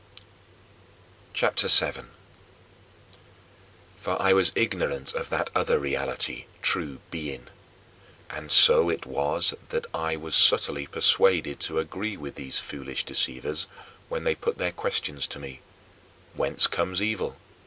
CHAPTER VII 12. For I was ignorant of that other reality, true Being. And so it was that I was subtly persuaded to agree with these foolish deceivers when they put their questions to me: "Whence comes evil?"